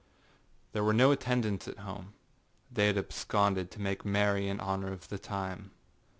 There were no attendants at home; they had absconded to make merry in honor of the time.